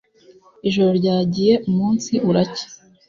Ijoro ryagiye umunsi uracya